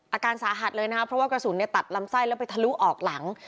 อาการสาหัสเลยนะครับเพราะว่ากระสุนตัดลำไส้แล้วไปทะลุออกหลัง